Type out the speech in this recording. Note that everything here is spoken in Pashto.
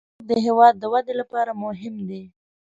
فېسبوک د هیواد د ودې لپاره مهم دی